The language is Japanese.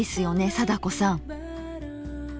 貞子さん。